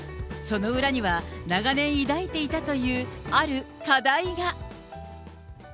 その裏には、長年抱いていたというある課題が。